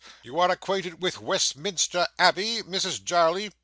You are acquainted with Westminster Abbey, Mrs Jarley?